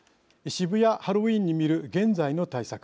渋谷ハロウィーンに見る現在の対策。